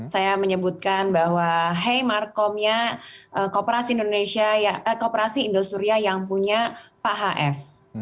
saya menyebutkan bahwa hey markomnya kooperasi indonesia kooperasi indosuria yang punya pak hs